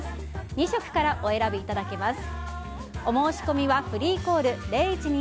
２色からお選びいただけます。